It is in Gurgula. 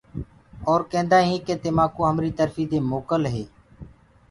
اور ڪيندآ هينٚ ڪي تمآڪوُ همري ترڦيٚ دي موڪل هو۔